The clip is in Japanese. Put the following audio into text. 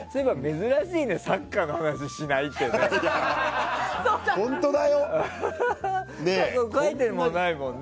珍しいね、サッカーの話をしないってね。